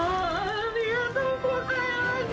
ありがとうございます。